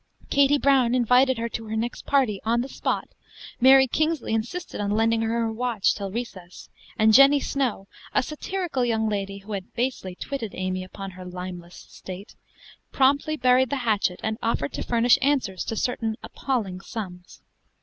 Katy Brown invited her to her next party on the spot; Mary Kingsley insisted on lending her her watch till recess; and Jenny Snow, a satirical young lady who had basely twitted Amy upon her limeless state, promptly buried the hatchet, and offered to furnish answers to certain appalling sums.